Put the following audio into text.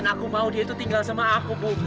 dan aku mau dia itu tinggal sama aku ibu